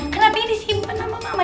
kenapa disimpan sama mama